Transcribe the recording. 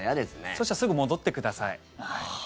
そうしたらすぐ戻ってください。